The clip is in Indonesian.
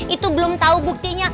itu belum tau buktinya